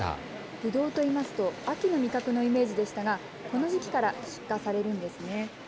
ぶどうといいますと、秋の味覚のイメージでしたが、この時期から出荷されるんですね。